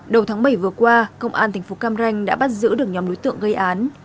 đầu tháng bảy vừa qua công an thành phố cam ranh đã bắt giữ được nhóm đối tượng gây án